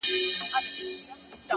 مورې بيا نو ولې ته- ماته توروې سترگي-